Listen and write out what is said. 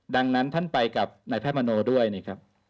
ดังนั้นท่านไปกับนายแพทย์มโนด้วยนะครับ